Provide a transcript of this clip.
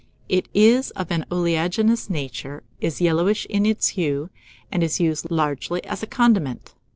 It is of an oleaginous nature, is yellowish in its hue, and is used largely as a condiment.